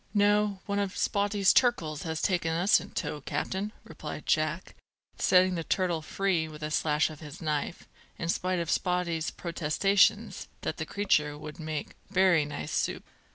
"No; one of Spottie's turkles has taken us in tow, captain," replied Jack, setting the turtle free with a slash of his knife, in spite of Spottie's protestations that the creature would make "bery nice soup."